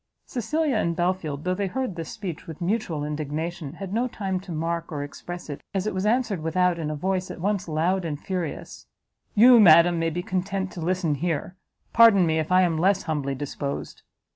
Cecilia and Belfield, though they heard this speech with mutual indignation, had no time to mark or express it, as it was answered without in a voice at once loud and furious, "You, madam, may be content to listen here; pardon me if I am less humbly disposed!"